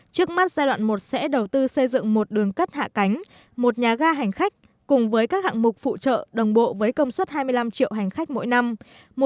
trước mắt giai đoạn một sẽ đầu tư xây dựng một đường cất hạ cánh một nhà ga hành khách cùng với các hạng mục phụ trợ đồng bộ với công suất hai mươi năm triệu hành khách mỗi năm